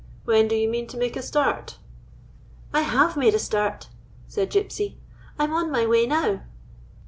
When do you mean to make a start?" " I have made a start," said Gypsy. " I 'm on my way now."